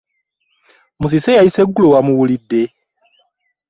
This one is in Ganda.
Musisi eyayise eggulo wamuwulidde?